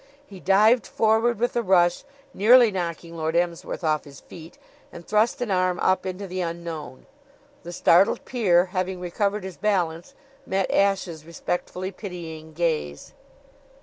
He dived forward with a rush, nearly knocking Lord Emsworth off his feet, and thrust an arm up into the unknown. The startled peer, having recovered his balance, met Ashe's respectfully pitying gaze.